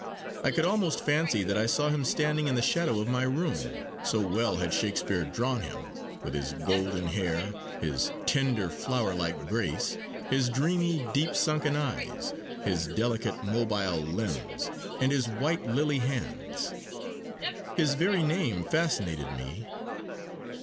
I could almost fancy that I saw him standing in the shadow of my room, so well had Shakespeare drawn him, with his golden hair, his tender flower like grace, his dreamy deep sunken eyes, his delicate mobile limbs, and his white lily hands. His very name fascinated me.